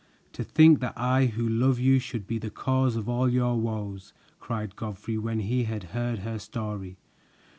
"To think that I who love you should be the cause of all your woes!" cried Godfrey, when he had heard her story.